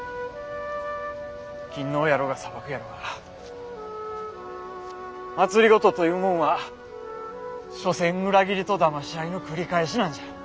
勤皇やろうが佐幕やろうが政というもんはしょせん裏切りとだまし合いの繰り返しなんじゃ。